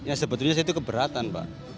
ya sebetulnya saya itu keberatan pak